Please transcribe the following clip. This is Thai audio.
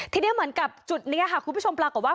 ทีนี้เหมือนกับจุดนี้ค่ะคุณผู้ชมปรากฏว่า